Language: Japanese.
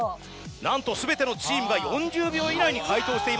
なんと全てのチームが４０秒以内に解答しています。